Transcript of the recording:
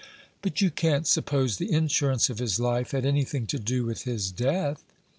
"But you can't suppose the insurance of his life had anything to do with his death?"